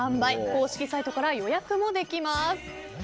公式サイトから予約もできます。